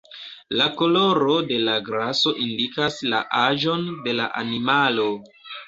La koloro de la graso indikas la aĝon de la animalo.